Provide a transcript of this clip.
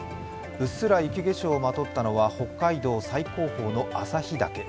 うっすら雪化粧をまとったのは北海道最高峰の旭岳。